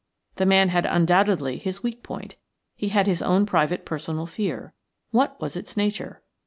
The man had undoubtedly his weak point; he had his own private personal fear. What was its nature?